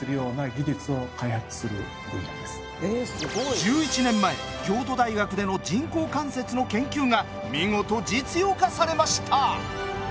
１１年前京都大学での人工関節の研究が見事実用化されました。